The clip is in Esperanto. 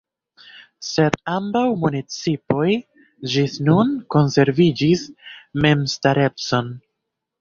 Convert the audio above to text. Sed ambaŭ municipoj ĝis nun konserviĝis memstarecon.